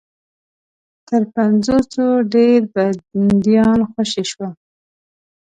تر پنځوسو ډېر بنديان خوشي شول.